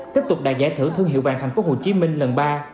tiếp tục đạt giải thưởng thương hiệu vàng tp hcm lần ba